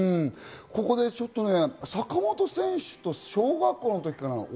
ここで坂本選手と小学校の時かな？